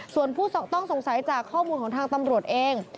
ส่วนผู้ต้องสงสัยจากข้อมูลของทางตำรวจเอง